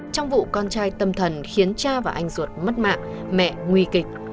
trong vụ con trai tâm thần khiến cha và anh ruột mất mạng mẹ nguy kịch